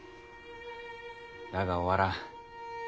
だが終わらん。